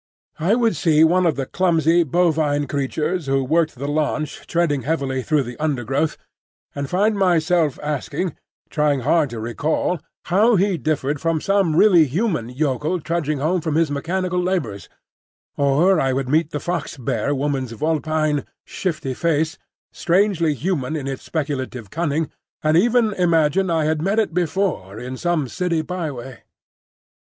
I would see one of the clumsy bovine creatures who worked the launch treading heavily through the undergrowth, and find myself asking, trying hard to recall, how he differed from some really human yokel trudging home from his mechanical labours; or I would meet the Fox bear woman's vulpine, shifty face, strangely human in its speculative cunning, and even imagine I had met it before in some city byway.